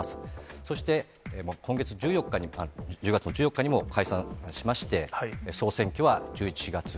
そして今月１４日に、１０月の１４日にも解散しまして、総選挙は１１月。